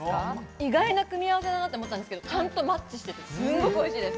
意外な組み合わせだなと思ったんですが、意外とマッチして、すごくおいしいです。